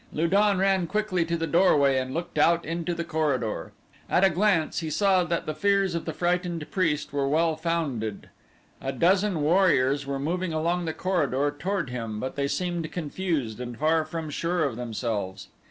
Lu don ran quickly to the doorway and looked out into the corridor. At a glance he saw that the fears of the frightened priest were well founded. A dozen warriors were moving along the corridor toward him but they seemed confused and far from sure of themselves.